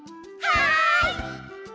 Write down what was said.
はい！